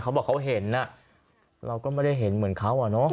เขาบอกเขาเห็นเราก็ไม่ได้เห็นเหมือนเขาอะเนาะ